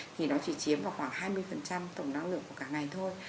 thì nó chỉ chiếm vào khoảng hai mươi tổng năng lượng của cả ngành thôi